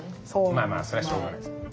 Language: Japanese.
まあまあそれはしょうがないです。